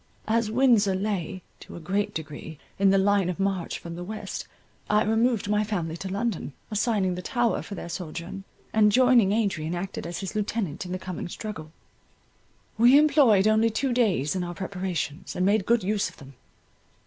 As Windsor lay, to a great degree, in the line of march from the west, I removed my family to London, assigning the Tower for their sojourn, and joining Adrian, acted as his Lieutenant in the coming struggle. We employed only two days in our preparations, and made good use of them.